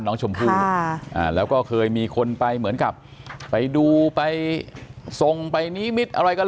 ไม่มีไม่มีไม่มีไม่มีไม่มีไม่มีไม่มี